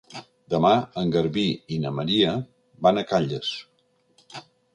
Demà en Garbí i na Maria van a Calles.